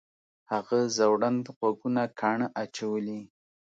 هغه ځوړند غوږونه کاڼه اچولي